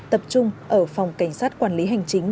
tập trung ở phòng cảnh sát quản lý hành chính